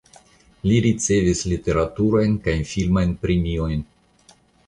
Li ricevis literaturajn kaj filmajn premiojn.